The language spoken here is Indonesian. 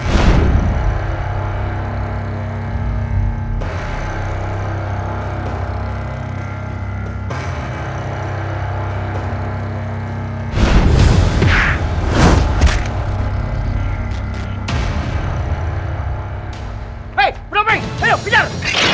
hei penopeng ayo kejar